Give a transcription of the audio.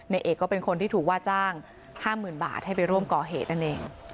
เอกก็เป็นคนที่ถูกว่าจ้าง๕๐๐๐บาทให้ไปร่วมก่อเหตุนั่นเอง